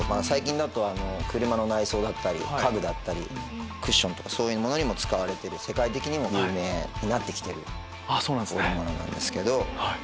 最近だと車の内装だったり家具だったりクッションとかそういうものにも使われてる世界的にも有名になって来てる織物なんですけど。